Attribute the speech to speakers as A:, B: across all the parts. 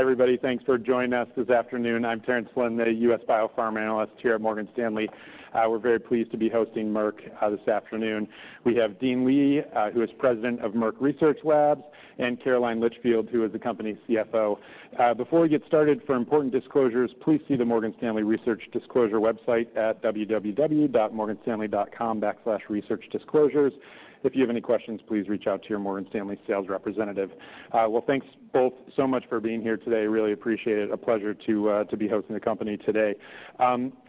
A: Hi, everybody. Thanks for joining us this afternoon. I'm Terence Flynn, a U.S. biopharm analyst here at Morgan Stanley. We're very pleased to be hosting Merck this afternoon. We have Dean Li, who is president of Merck Research Labs, and Caroline Litchfield, who is the company's CFO. Before we get started, for important disclosures, please see the Morgan Stanley Research Disclosure website at www.morganstanley.com/researchdisclosures. If you have any questions, please reach out to your Morgan Stanley sales representative. Well, thanks both so much for being here today. Really appreciate it. A pleasure to be hosting the company today.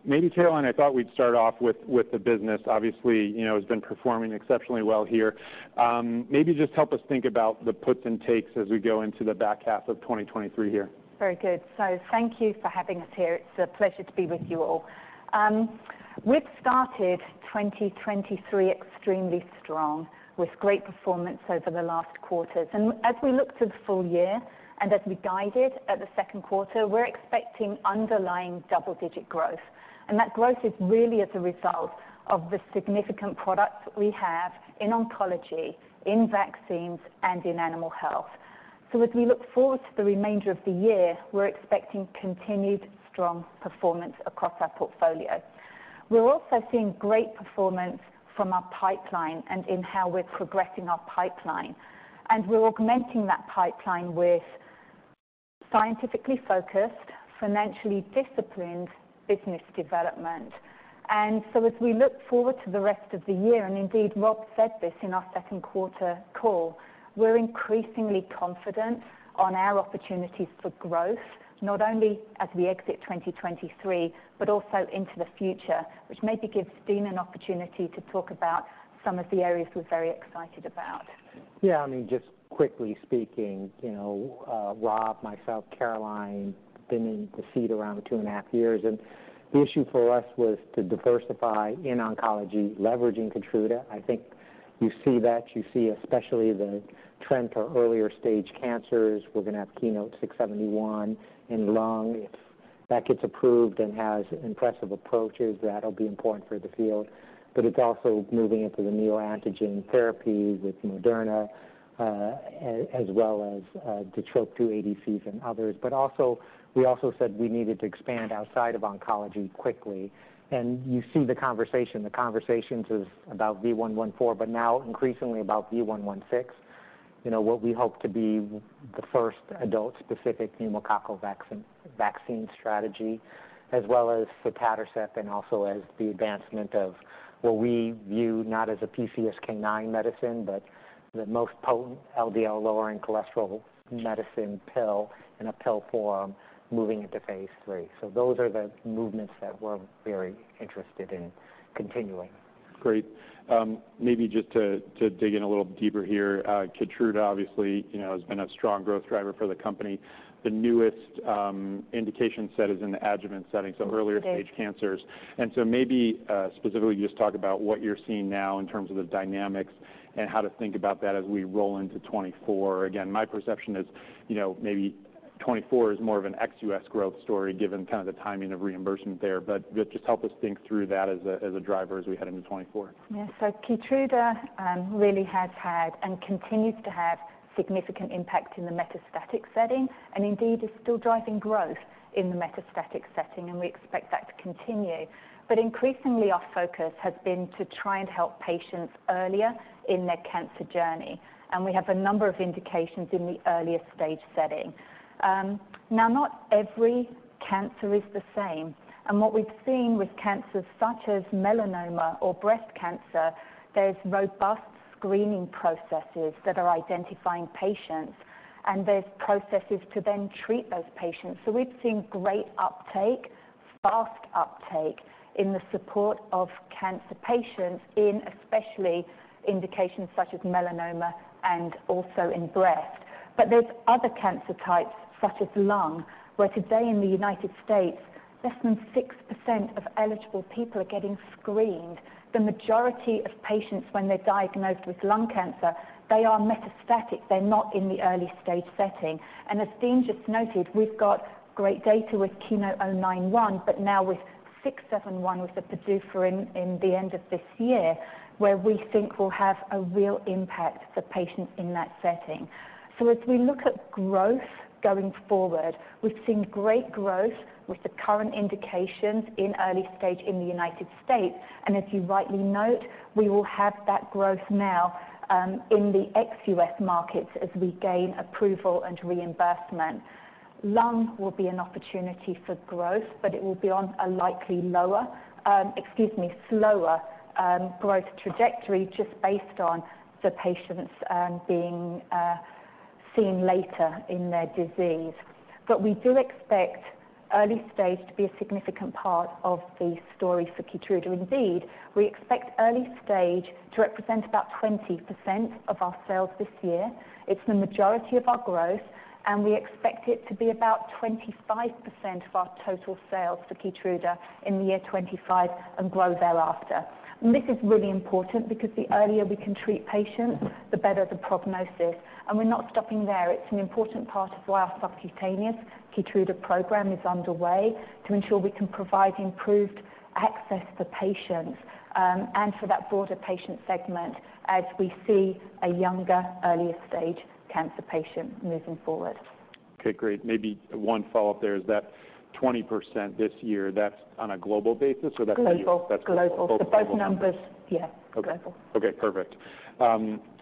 A: Maybe, Caroline, I thought we'd start off with the business. Obviously, you know, it's been performing exceptionally well here. Maybe just help us think about the puts and takes as we go into the back half of 2023 here.
B: Very good. So thank you for having us here. It's a pleasure to be with you all. We've started 2023 extremely strong, with great performance over the last quarters. And as we look to the full year, and as we guided at the second quarter, we're expecting underlying double-digit growth, and that growth is really as a result of the significant products we have in oncology, in vaccines, and in animal health. So as we look forward to the remainder of the year, we're expecting continued strong performance across our portfolio. We're also seeing great performance from our pipeline and in how we're progressing our pipeline, and we're augmenting that pipeline with scientifically focused, financially disciplined business development. And so as we look forward to the rest of the year, and indeed, Rob said this in our second quarter call, we're increasingly confident on our opportunities for growth, not only as we exit 2023, but also into the future, which maybe gives Dean an opportunity to talk about some of the areas we're very excited about.
C: Yeah, I mean, just quickly speaking, you know, Rob, myself, Caroline, been in the seat around two and a half years, and the issue for us was to diversify in oncology, leveraging KEYTRUDA. I think you see that, you see especially the trend for earlier-stage cancers. We're going to have KEYNOTE-671 in lung. If that gets approved and has impressive approaches, that'll be important for the field. But it's also moving into the neoantigen therapies with Moderna, as well as TROP2 ADCs and others. But also, we also said we needed to expand outside of oncology quickly, and you see the conversation. The conversation is about V114, but now increasingly about V116, you know, what we hope to be the first adult-specific pneumococcal vaccine, vaccine strategy, as well as for sotatercept, and also as the advancement of what we view not as a PCSK9 medicine, but the most potent LDL-lowering cholesterol medicine pill in a pill form moving into phase III. So those are the movements that we're very interested in continuing.
A: Great. Maybe just to dig in a little deeper here, KEYTRUDA, obviously, you know, has been a strong growth driver for the company. The newest, indication set is in the adjuvant setting-
B: It is.
A: So earlier-stage cancers. And so maybe specifically just talk about what you're seeing now in terms of the dynamics and how to think about that as we roll into 2024. Again, my perception is, you know, maybe 2024 is more of an ex-U.S. growth story, given kind of the timing of reimbursement there, but just help us think through that as a, as a driver as we head into 2024.
B: Yeah. So KEYTRUDA really has had and continues to have significant impact in the metastatic setting, and indeed is still driving growth in the metastatic setting, and we expect that to continue. But increasingly, our focus has been to try and help patients earlier in their cancer journey, and we have a number of indications in the earlier-stage setting. Now, not every cancer is the same, and what we've seen with cancers such as melanoma or breast cancer, there's robust screening processes that are identifying patients, and there's processes to then treat those patients. So we've seen great uptake, fast uptake in the support of cancer patients in especially indications such as melanoma and also in breast. But there's other cancer types, such as lung, where today in the United States, less than 6% of eligible people are getting screened. The majority of patients, when they're diagnosed with lung cancer, they are metastatic. They're not in the early-stage setting. As Dean just noted, we've got great data with KEYNOTE-091, but now with 671, with the Padcev in, in the end of this year, where we think we'll have a real impact for patients in that setting. As we look at growth going forward, we've seen great growth with the current indications in early stage in the United States, and as you rightly note, we will have that growth now, in the ex-U.S. markets as we gain approval and reimbursement. Lung will be an opportunity for growth, but it will be on a likely lower, excuse me, slower, growth trajectory just based on the patients, being seen later in their disease. But we do expect early stage to be a significant part of the story for KEYTRUDA. Indeed, we expect early stage to represent about 20% of our sales this year. It's the majority of our growth, and we expect it to be about 25% of our total sales for KEYTRUDA in the year 2025 and grow thereafter. And this is really important because the earlier we can treat patients, the better the prognosis, and we're not stopping there. It's an important part of why our subcutaneous KEYTRUDA program is underway, to ensure we can provide improved access for patients, and for that broader patient segment as we see a younger, earlier-stage cancer patient moving forward....
A: Okay, great. Maybe one follow-up there is that 20% this year, that's on a global basis, or that's-
B: Global.
A: That's global.
B: Global. So both numbers, yeah, global.
A: Okay, perfect.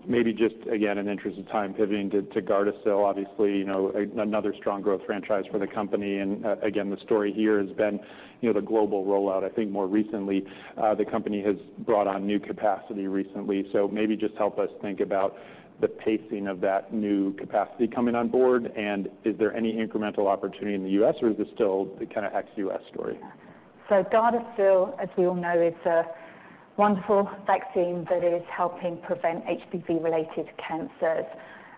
A: Maybe just, again, in the interest of time, pivoting to, to GARDASIL, obviously, you know, another strong growth franchise for the company. Again, the story here has been, you know, the global rollout. I think more recently, the company has brought on new capacity recently. Maybe just help us think about the pacing of that new capacity coming on board, and is there any incremental opportunity in the U.S., or is this still the kind of ex-U.S. story?
B: So Gardasil, as we all know, is a wonderful vaccine that is helping prevent HPV-related cancers.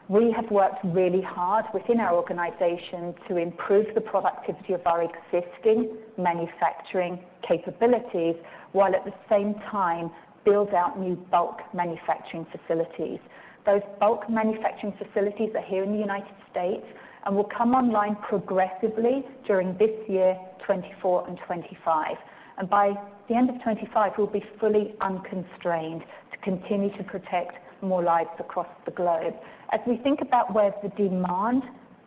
B: We have worked really hard within our organization to improve the productivity of our existing manufacturing capabilities, while at the same time build out new bulk manufacturing facilities. Those bulk manufacturing facilities are here in the United States and will come online progressively during this year, 2024 and 2025. And by the end of 2025, we'll be fully unconstrained to continue to protect more lives across the globe. As we think about where the demand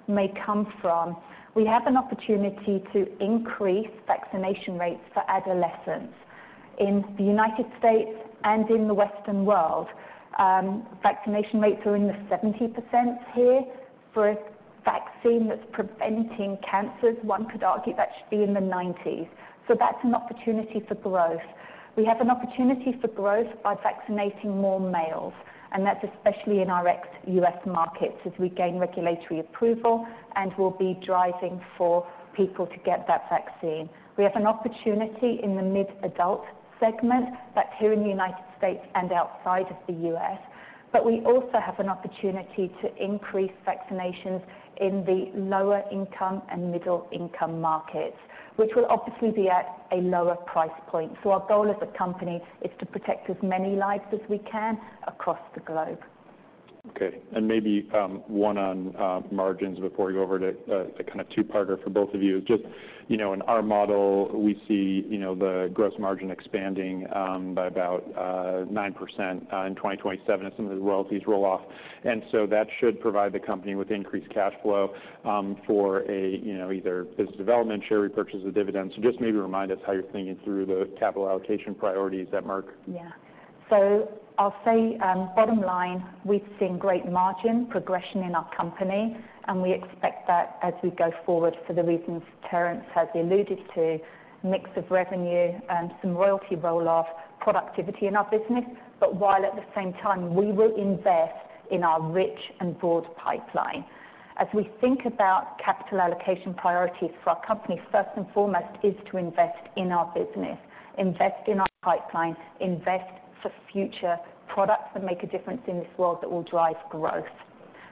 B: may come from, we have an opportunity to increase vaccination rates for adolescents. In the United States and in the Western world, vaccination rates are in the 70% here. For a vaccine that's preventing cancers, one could argue that should be in the 90s. So that's an opportunity for growth. We have an opportunity for growth by vaccinating more males, and that's especially in our ex-U.S. markets, as we gain regulatory approval and will be driving for people to get that vaccine. We have an opportunity in the mid-adult segment, that's here in the United States and outside of the U.S., but we also have an opportunity to increase vaccinations in the lower-income and middle-income markets, which will obviously be at a lower price point. Our goal as a company is to protect as many lives as we can across the globe.
A: Okay, and maybe one on margins before we go over to a kind of two-parter for both of you. Just, you know, in our model, we see, you know, the gross margin expanding by about 9% in 2027 as some of the royalties roll off. And so that should provide the company with increased cash flow for a, you know, either business development, share repurchase or dividends. So just maybe remind us how you're thinking through the capital allocation priorities at Merck.
B: Yeah. So I'll say, bottom line, we've seen great margin progression in our company, and we expect that as we go forward for the reasons Terence has alluded to, mix of revenue, some royalty roll-off, productivity in our business, but while at the same time, we will invest in our rich and broad pipeline. As we think about capital allocation priorities for our company, first and foremost, is to invest in our business, invest in our pipeline, invest for future products that make a difference in this world that will drive growth.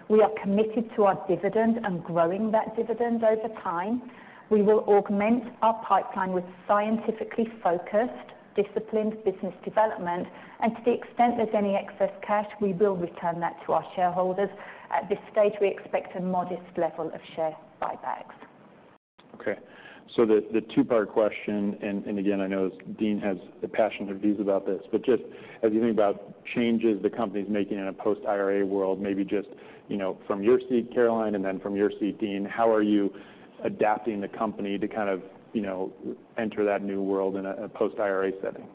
B: We are committed to our dividend and growing that dividend over time. We will augment our pipeline with scientifically focused, disciplined business development, and to the extent there's any excess cash, we will return that to our shareholders. At this stage, we expect a modest level of share buybacks.
A: Okay, so the two-part question, and again, I know Dean has passionate views about this, but just as you think about changes the company's making in a post-IRA world, maybe just, you know, from your seat, Caroline, and then from your seat, Dean, how are you adapting the company to kind of, you know, enter that new world in a post-IRA setting?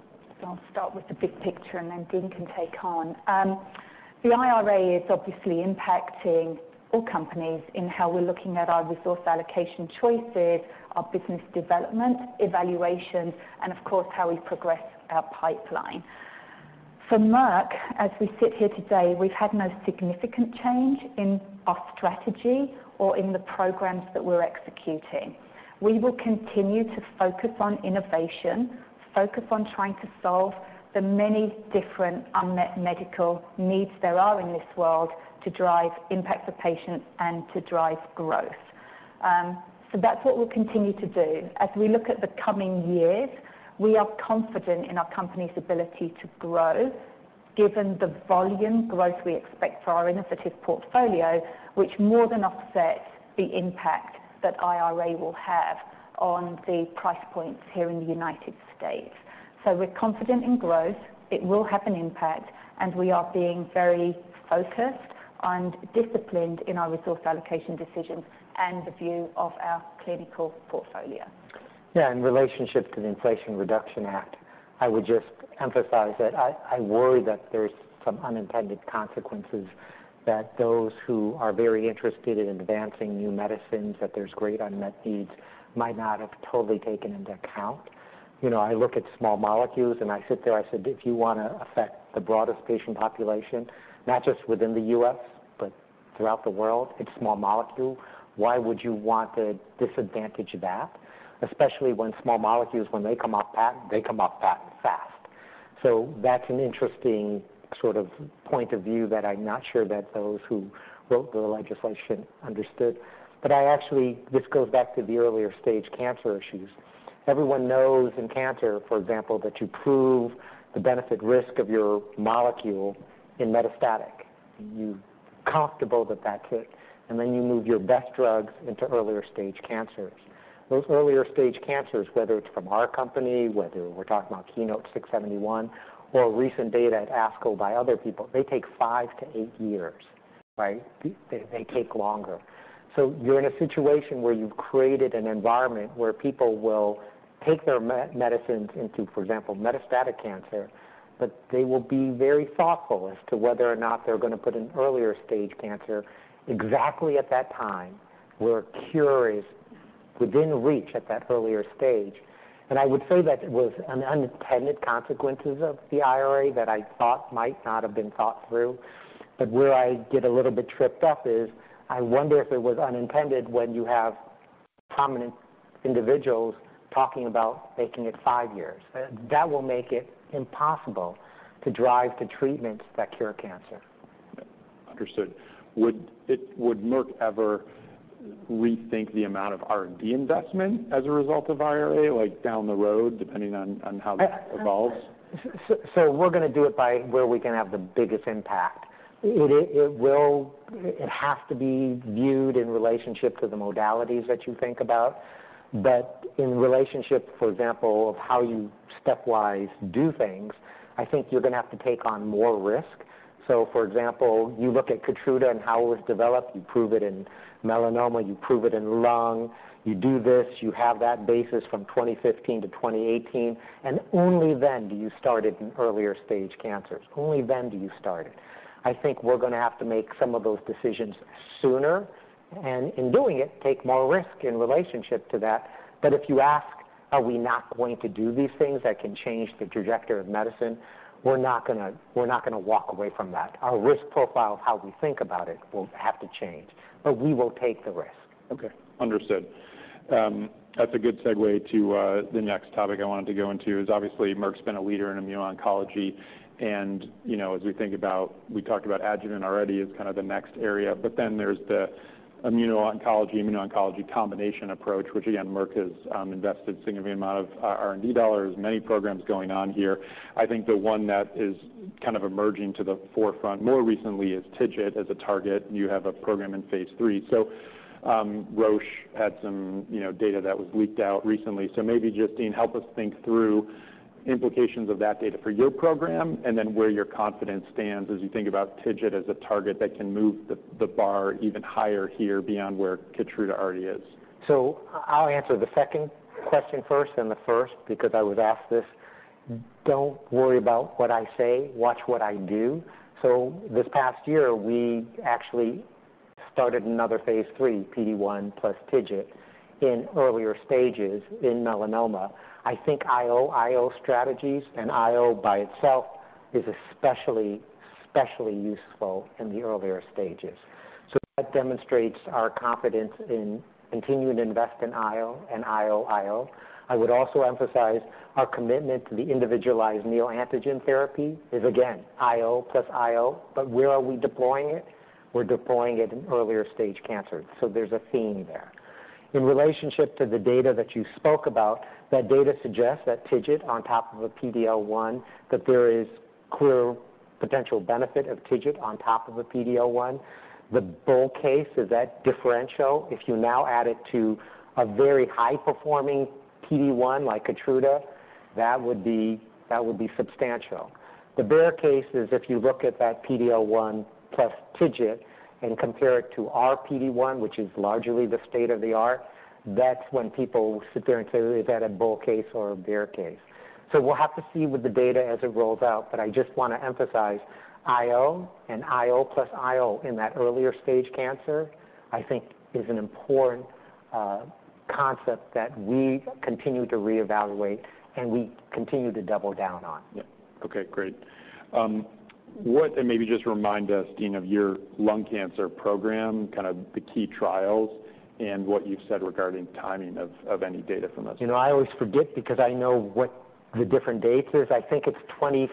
B: So I'll start with the big picture, and then Dean can take on. The IRA is obviously impacting all companies in how we're looking at our resource allocation choices, our business development, evaluation, and of course, how we progress our pipeline. For Merck, as we sit here today, we've had no significant change in our strategy or in the programs that we're executing. We will continue to focus on innovation, focus on trying to solve the many different unmet medical needs there are in this world to drive impact for patients and to drive growth. So that's what we'll continue to do. As we look at the coming years, we are confident in our company's ability to grow, given the volume growth we expect for our innovative portfolio, which more than offsets the impact that IRA will have on the price points here in the United States. We're confident in growth. It will have an impact, and we are being very focused and disciplined in our resource allocation decisions and the view of our clinical portfolio.
C: Yeah, in relationship to the Inflation Reduction Act, I would just emphasize that I, I worry that there's some unintended consequences that those who are very interested in advancing new medicines, that there's great unmet needs, might not have totally taken into account. You know, I look at small molecules, and I sit there, I said, "If you want to affect the broadest patient population, not just within the U.S., but throughout the world, it's small molecule. Why would you want to disadvantage that?" Especially when small molecules, when they come off patent, they come off patent fast. So that's an interesting sort of point of view that I'm not sure that those who wrote the legislation understood. But I actually. This goes back to the earlier-stage cancer issues. Everyone knows in cancer, for example, that you prove the benefit-risk of your molecule in metastatic. You're comfortable that that clicks, and then you move your best drugs into earlier-stage cancers. Those earlier stage cancers, whether it's from our company, whether we're talking about KEYNOTE-671, or recent data at ASCO by other people, they take five-eight years, right? They, they take longer. So you're in a situation where you've created an environment where people will take their medicines into, for example, metastatic cancer, but they will be very thoughtful as to whether or not they're gonna put an earlier stage cancer exactly at that time, where a cure is within reach at that earlier stage. I would say that it was an unintended consequences of the IRA that I thought might not have been thought through. Where I get a little bit tripped up is, I wonder if it was unintended when you have prominent individuals talking about making it five years. That will make it impossible to drive the treatments that cure cancer.
A: Understood. Would Merck ever rethink the amount of R&D investment as a result of IRA, like, down the road, depending on how that evolves?
C: So, we're gonna do it by where we can have the biggest impact. It will. It has to be viewed in relationship to the modalities that you think about. But in relationship, for example, of how you stepwise do things, I think you're gonna have to take on more risk. So, for example, you look at KEYTRUDA and how it was developed. You prove it in melanoma, you prove it in lung, you do this, you have that basis from 2015-2018, and only then do you start it in earlier stage cancers. Only then do you start it. I think we're gonna have to make some of those decisions sooner, and in doing it, take more risk in relationship to that. But if you ask, are we not going to do these things that can change the trajectory of medicine? We're not gonna, we're not gonna walk away from that. Our risk profile of how we think about it will have to change, but we will take the risk.
A: Okay, understood. That's a good segue to the next topic I wanted to go into, which is obviously Merck's been a leader in immuno-oncology. And, you know, as we think about, we talked about adjuvant already as kind of the next area, but then there's the immuno-oncology, immuno-oncology combination approach, which again, Merck has invested a significant amount of R&D dollars, many programs going on here. I think the one that is kind of emerging to the forefront more recently is TIGIT as a target. You have a program in phase III. So, Roche had some, you know, data that was leaked out recently. So maybe, just Dean, help us think through implications of that data for your program, and then where your confidence stands as you think about TIGIT as a target that can move the bar even higher here beyond where KEYTRUDA already is.
C: So I'll answer the second question first, then the first, because I was asked this. Don't worry about what I say, watch what I do. So this past year, we actually started another phase III, PD-1 plus TIGIT, in earlier stages in melanoma. I think IO, IO strategies and IO by itself is especially, especially useful in the earlier stages. So that demonstrates our confidence in continuing to invest in IO and IO/IO. I would also emphasize our commitment to the individualized neoantigen therapy is, again, IO plus IO, but where are we deploying it? We're deploying it in earlier stage cancer, so there's a theme there. In relationship to the data that you spoke about, that data suggests that TIGIT on top of a PD-L1, that there is clear potential benefit of TIGIT on top of a PD-L1. The bull case is that differential. If you now add it to a very high-performing PD-1, like KEYTRUDA, that would be, that would be substantial. The bear case is if you look at that PD-L1 plus TIGIT and compare it to our PD-1, which is largely the state-of-the-art, that's when people sit there and say, "Is that a bull case or a bear case?" So we'll have to see with the data as it rolls out, but I just want to emphasize, IO and IO plus IO in that earlier stage cancer, I think, is an important concept that we continue to reevaluate and we continue to double down on.
A: Yeah. Okay, great. And maybe just remind us, Dean, of your lung cancer program, kind of the key trials and what you've said regarding timing of any data from us.
C: You know, I always forget because I know what the different dates is. I think it's 25.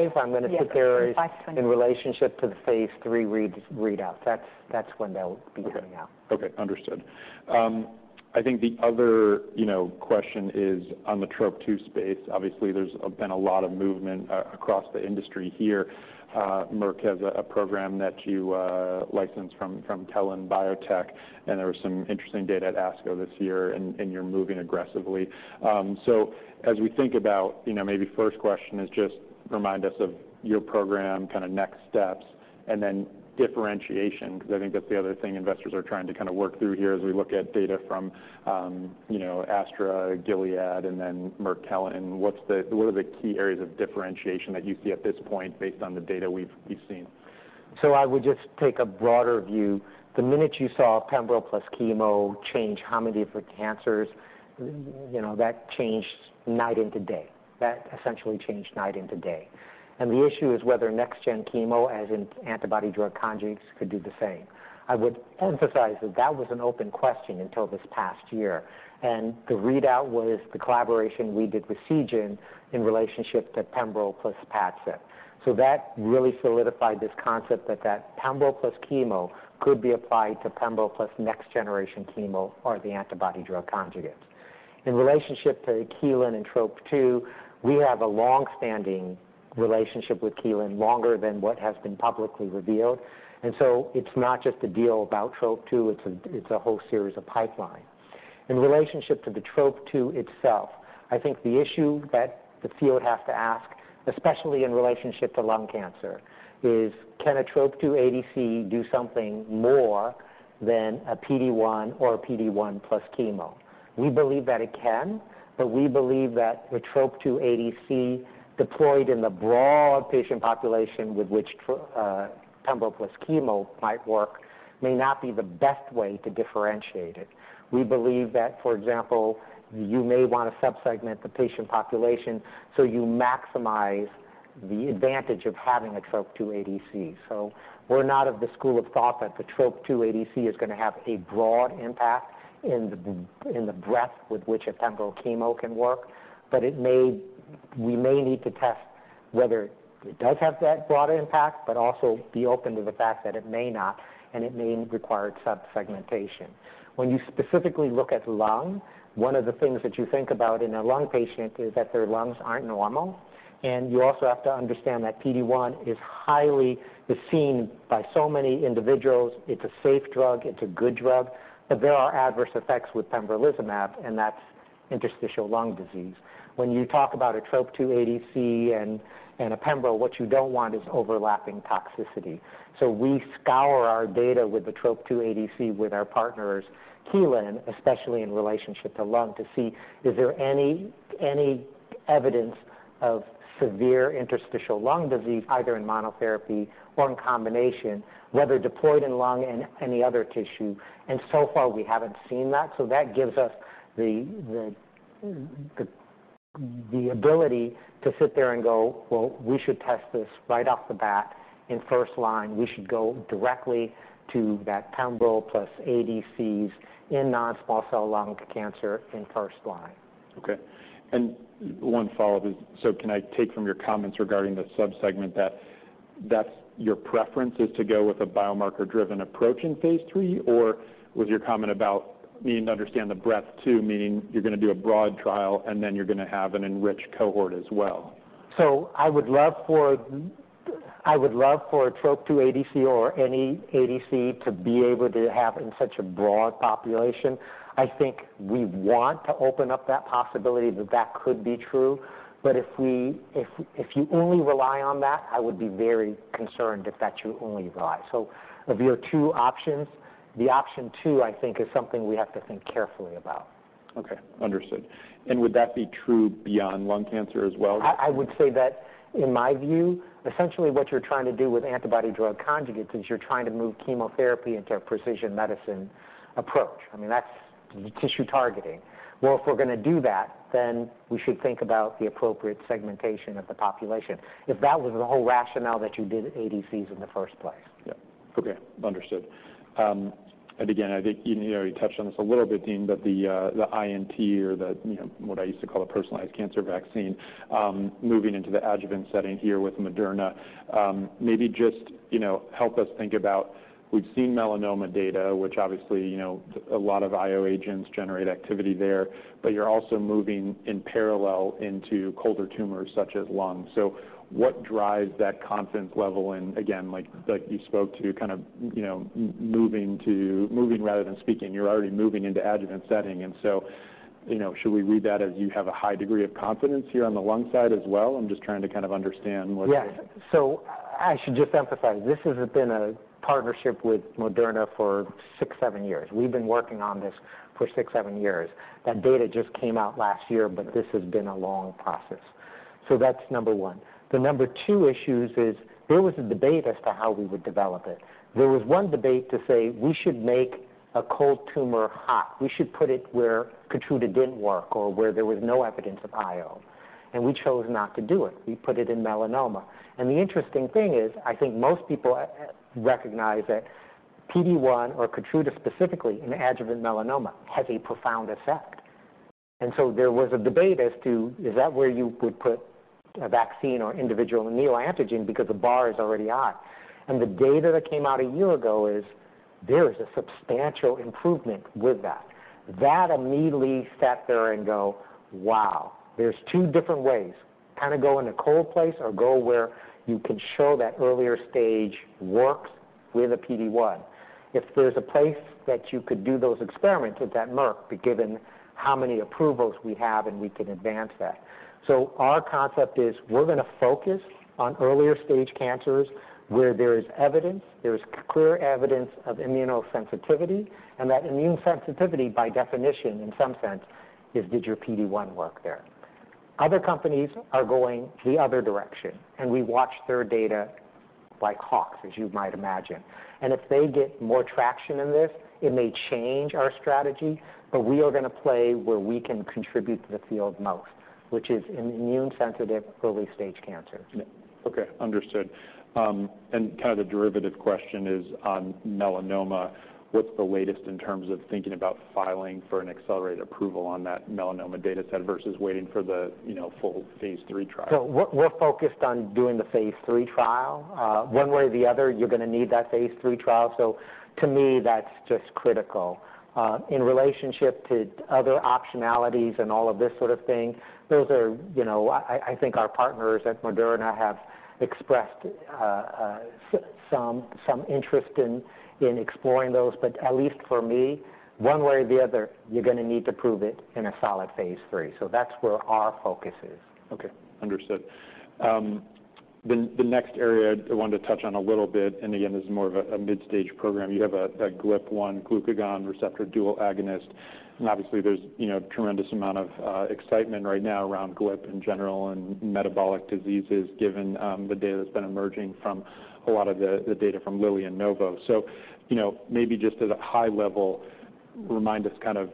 B: Yes.
C: I'm gonna say there is in relationship to the phase III readout. That's, that's when that will be coming out.
A: Okay, understood. I think the other, you know, question is on the TROP2 space. Obviously, there's been a lot of movement across the industry here. Merck has a program that you licensed from Kelun-Biotech, and there was some interesting data at ASCO this year, and you're moving aggressively. So as we think about, you know, maybe first question is just remind us of your program, kind of next steps, and then differentiation, because I think that's the other thing investors are trying to kind of work through here as we look at data from, you know, Astra, Gilead, and then Merck Kelun. What are the key areas of differentiation that you see at this point based on the data we've seen?
C: So I would just take a broader view. The minute you saw pembro plus chemo change how many different cancers, you know, that changed night into day. That essentially changed night into day. And the issue is whether next-gen chemo, as in antibody-drug conjugates, could do the same. I would emphasize that that was an open question until this past year, and the readout was the collaboration we did with Seagen in relationship to pembro plus Padcev. So that really solidified this concept that, that pembro plus chemo could be applied to pembro plus next generation chemo or the antibody-drug conjugate. In relationship to Kelun and TROP2, we have a long-standing relationship with Kelun, longer than what has been publicly revealed. And so it's not just a deal about TROP2, it's a, it's a whole series of pipelines. In relationship to the TROP2 itself, I think the issue that the field has to ask, especially in relationship to lung cancer, is can a TROP2 ADC do something more than a PD-1 or a PD-1 plus chemo? We believe that it can, but we believe that the TROP2 ADC deployed in the broad patient population with which pembro plus chemo might work, may not be the best way to differentiate it. We believe that, for example, you may want to subsegment the patient population, so you maximize the advantage of having a TROP2 ADC. So we're not of the school of thought that the TROP2 ADC is going to have a broad impact in the, in the breadth with which a pembro chemo can work, but it may, we may need to test whether it does have that broader impact, but also be open to the fact that it may not, and it may require subsegmentation. When you specifically look at lung, one of the things that you think about in a lung patient is that their lungs aren't normal, and you also have to understand that PD-1 is highly seen by so many individuals. It's a safe drug, it's a good drug, but there are adverse effects with pembrolizumab, and that's interstitial lung disease. When you talk about a TROP2 ADC and, and a pembro, what you don't want is overlapping toxicity. So we scour our data with the TROP2 ADC with our partners, Kelun, especially in relationship to lung, to see is there any evidence of severe interstitial lung disease, either in monotherapy or in combination, whether deployed in lung and any other tissue. And so far, we haven't seen that. So that gives us the ability to sit there and go: "Well, we should test this right off the bat. In first line, we should go directly to that pembro plus ADCs in non-small cell lung cancer in first line.
A: Okay. And one follow-up is... So can I take from your comments regarding the subsegment, that that's your preference, is to go with a biomarker-driven approach in phase III? Or was your comment about needing to understand the breadth, too, meaning you're going to do a broad trial, and then you're going to have an enriched cohort as well?
C: So I would love for, I would love for a TROP2 ADC or any ADC to be able to have in such a broad population. I think we want to open up that possibility that that could be true. But if we, if, if you only rely on that, I would be very concerned if that's your only rely. So of your two options, the option two, I think, is something we have to think carefully about.
A: Okay, understood. And would that be true beyond lung cancer as well?
C: I would say that in my view, essentially what you're trying to do with antibody-drug conjugates is you're trying to move chemotherapy into a precision medicine approach. I mean, that's tissue targeting. Well, if we're going to do that, then we should think about the appropriate segmentation of the population. If that was the whole rationale that you did ADCs in the first place.
A: Yeah. Okay, understood. And again, I think you already touched on this a little bit, Dean, but the INT or the, you know, what I used to call a personalized cancer vaccine, moving into the adjuvant setting here with Moderna. Maybe just, you know, help us think about... We've seen melanoma data, which obviously, you know, a lot of IO agents generate activity there, but you're also moving in parallel into colder tumors such as lung. So what drives that confidence level? And again, like you spoke to kind of, you know, moving rather than speaking, you're already moving into adjuvant setting. And so, you know, should we read that as you have a high degree of confidence here on the lung side as well? I'm just trying to kind of understand what-
C: Yes. So I should just emphasize, this has been a partnership with Moderna for six-seven years. We've been working on this for six-seven years. That data just came out last year, but this has been a long process. So that's number one. The number two issues is there was a debate as to how we would develop it. There was one debate to say, "We should make a cold tumor hot. We should put it where KEYTRUDA didn't work or where there was no evidence of IO." And we chose not to do it. We put it in melanoma. And the interesting thing is, I think most people recognize that PD-1, or KEYTRUDA specifically in adjuvant melanoma, has a profound effect. And so there was a debate as to, is that where you would put a vaccine or individual neoantigen because the bar is already high? The data that came out a year ago is there is a substantial improvement with that. That immediately sat there and go, "Wow, there's two different ways. Kind of go in a cold place or go where you could show that earlier stage works with a PD-1." If there's a place that you could do those experiments, it's at Merck, but given how many approvals we have, and we can advance that. So our concept is we're going to focus on earlier stage cancers, where there is evidence, there is clear evidence of immuno sensitivity, and that immune sensitivity, by definition, in some sense, is, did your PD-1 work there? Other companies are going the other direction, and we watch their data like hawks, as you might imagine. If they get more traction in this, it may change our strategy, but we are going to play where we can contribute to the field most, which is in immune-sensitive, early-stage cancer.
A: Yeah. Okay, understood. Kind of the derivative question is on melanoma, what's the latest in terms of thinking about filing for an accelerated approval on that melanoma data set versus waiting for the, you know, full phase III trial?
C: So we're focused on doing the phase III trial. One way or the other, you're going to need that phase III trial. So to me, that's just critical. In relationship to other optionalities and all of this sort of thing, those are... You know, I think our partners at Moderna have expressed some interest in exploring those, but at least for me, one way or the other, you're going to need to prove it in a solid phase III. So that's where our focus is.
A: Okay, understood. The next area I wanted to touch on a little bit, and again, this is more of a mid-stage program. You have a GLP-1 glucagon receptor dual agonist, and obviously there's, you know, a tremendous amount of excitement right now around GLP in general and metabolic diseases, given the data that's been emerging from a lot of the data from Lilly and Novo. So, you know, maybe just at a high level, remind us kind of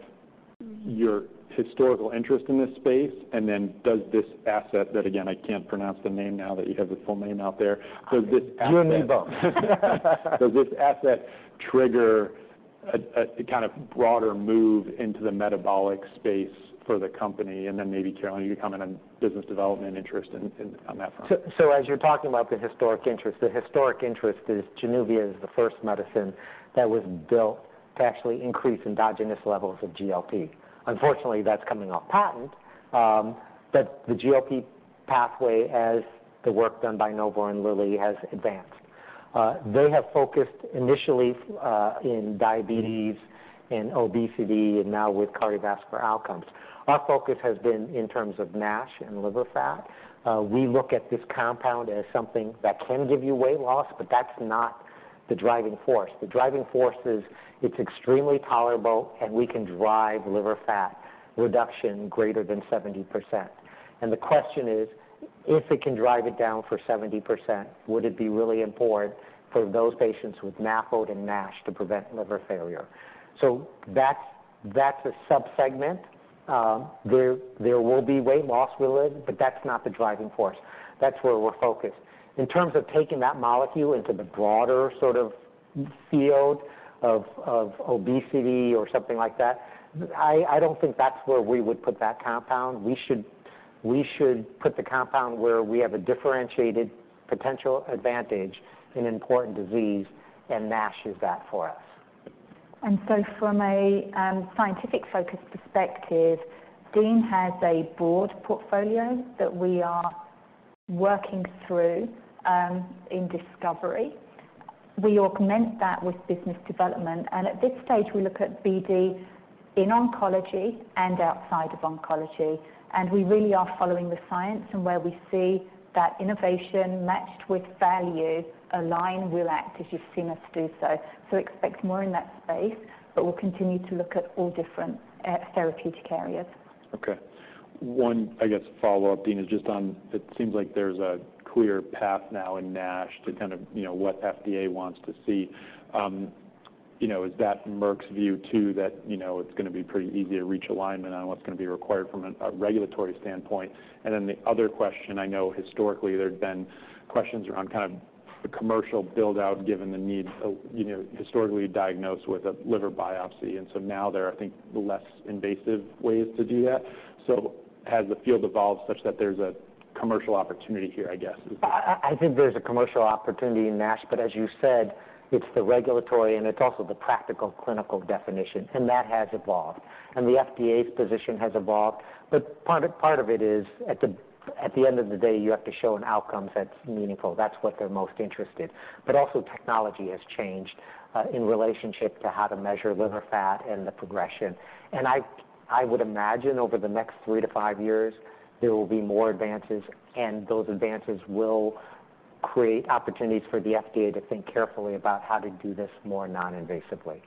A: your historical interest in this space, and then does this asset that... Again, I can't pronounce the name now that you have the full name out there. Does this asset-
C: Efinopegdutide.
A: Does this asset trigger a kind of broader move into the metabolic space for the company? And then maybe, Caroline, you comment on business development interest in on that front.
C: So as you're talking about the historic interest, the historic interest is Januvia is the first medicine that was built to actually increase endogenous levels of GLP. Unfortunately, that's coming off patent, but the GLP pathway, as the work done by Novo and Lilly, has advanced. They have focused initially in diabetes and obesity, and now with cardiovascular outcomes. Our focus has been in terms of NASH and liver fat. We look at this compound as something that can give you weight loss, but that's not the driving force. The driving force is it's extremely tolerable, and we can drive liver fat reduction greater than 70%. And the question is, if it can drive it down for 70%, would it be really important for those patients with NAFLD and NASH to prevent liver failure? So that's, that's a subsegment. There will be weight loss with it, but that's not the driving force. That's where we're focused. In terms of taking that molecule into the broader sort of field of obesity or something like that, I don't think that's where we would put that compound. We should put the compound where we have a differentiated potential advantage in important disease, and NASH is that for us.
B: And so from a scientific focus perspective, Dean has a broad portfolio that we are working through in discovery. We augment that with business development, and at this stage, we look at BD in oncology and outside of oncology, and we really are following the science. And where we see that innovation matched with value align, we'll act, as you've seen us do so. So expect more in that space, but we'll continue to look at all different therapeutic areas.
A: Okay. One, I guess, follow-up, Dean, is just on... It seems like there's a clear path now in NASH to kind of, you know, what FDA wants to see. You know, is that Merck's view, too, that, you know, it's gonna be pretty easy to reach alignment on what's gonna be required from a, a regulatory standpoint? And then the other question, I know historically there have been questions around kind of the commercial build-out, given the need, so, you know, historically diagnosed with a liver biopsy, and so now there are, I think, less invasive ways to do that. So has the field evolved such that there's a commercial opportunity here, I guess?
C: I think there's a commercial opportunity in NASH, but as you said, it's the regulatory and it's also the practical clinical definition, and that has evolved. And the FDA's position has evolved, but part of it is, at the end of the day, you have to show an outcome that's meaningful. That's what they're most interested. But also, technology has changed, in relationship to how to measure liver fat and the progression. And I would imagine over the next three to five years, there will be more advances, and those advances will create opportunities for the FDA to think carefully about how to do this more non-invasively.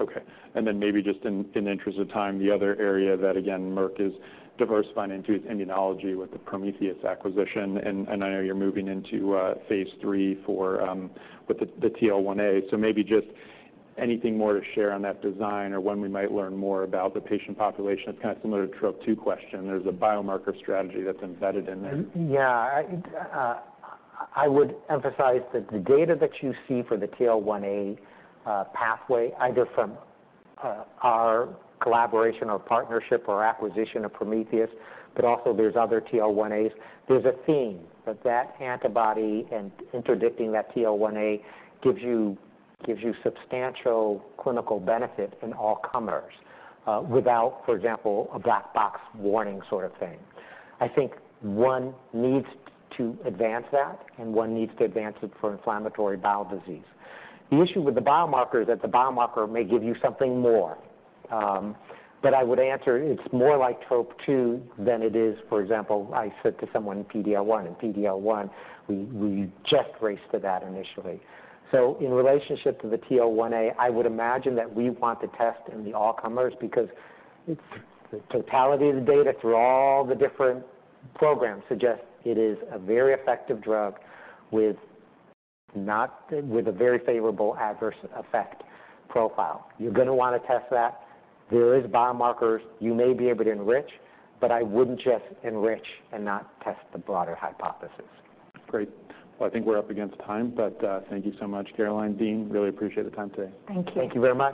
A: Okay. And then maybe just in the interest of time, the other area that, again, Merck is diversifying into is immunology with the Prometheus acquisition. And I know you're moving into phase III for with the TL1A. So maybe just anything more to share on that design or when we might learn more about the patient population? It's kind of similar to TROP2 question. There's a biomarker strategy that's embedded in there.
C: Yeah. I, I would emphasize that the data that you see for the TL1A pathway, either from our collaboration or partnership or acquisition of Prometheus, but also there's other TL1As, there's a theme that that antibody and interdicting that TL1A gives you, gives you substantial clinical benefit in all comers without, for example, a black box warning sort of thing. I think one needs to advance that, and one needs to advance it for inflammatory bowel disease. The issue with the biomarker is that the biomarker may give you something more, but I would answer it's more like TROP2 than it is... For example, I said to someone, PD-L1. And PD-L1, we, we just raced to that initially. So in relationship to the TL1A, I would imagine that we want to test in the all comers because it's the totality of the data through all the different programs suggest it is a very effective drug with a very favorable adverse effect profile. You're gonna wanna test that. There is biomarkers you may be able to enrich, but I wouldn't just enrich and not test the broader hypothesis.
A: Great. Well, I think we're up against time, but thank you so much, Caroline, Dean. Really appreciate the time today.
B: Thank you.
C: Thank you very much.